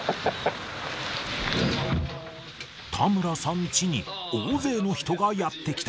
田村さんチに大勢の人がやって来た。